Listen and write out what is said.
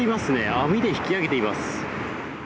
網で引き上げています。